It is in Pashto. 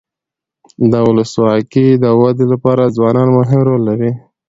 د ولسواکۍ د ودي لپاره ځوانان مهم رول لري.